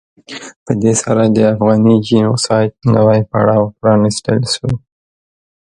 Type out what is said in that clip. په دې سره د افغاني جینو سایډ نوی پړاو پرانستل شو.